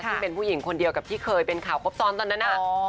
ซึ่งเป็นผู้หญิงคนเดียวกับที่เคยเป็นข่าวครบซ้อนตอนนั้น